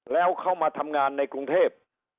แล้วเข้ามาทำงานในกรุงเทพ